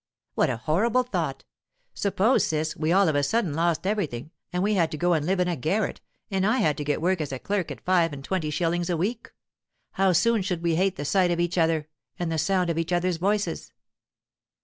"What a horrible thought! Suppose, Ciss, we all of a sudden lost everything, and we had to go and live in a garret, and I had to get work as a clerk at five and twenty shillings a week. How soon should we hate the sight of each other, and the sound of each other's voices?"